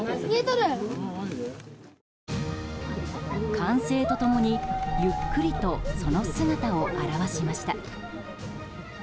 歓声と共にゆっくりとその姿を現しました。